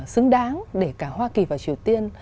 xứng đáng để cả hoa kỳ và triều tiên